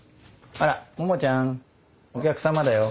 あらモモちゃんお客様だよ。